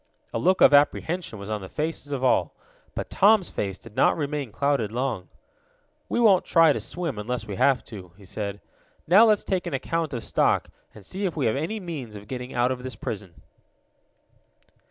A look of apprehension was on the faces of all. But Tom's face did not remain clouded long. "We won't try to swim until we have to," he said. "Now, let's take an account of stock, and see if we have any means of getting out of this prison."